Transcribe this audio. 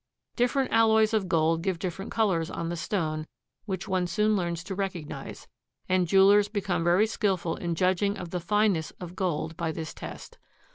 Different alloys of gold give different colors on the stone which one soon learns to recognize, and jewelers become very skillful in judging of the fineness of gold by this test.